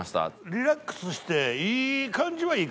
リラックスしていい感じはいい感じですよね。